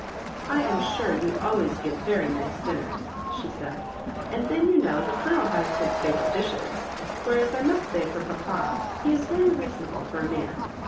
"I am sure you always give very nice din ners," she said; '^and then, you know, the Colonel has his favourite dishes — whereas, I must say for papa, he is very reasonable for a man.